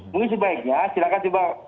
mungkin sebaiknya silahkan coba